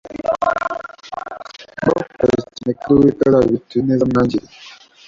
Ndabakunda kandi cyane uwiteka azabiture ineza mwanyeretse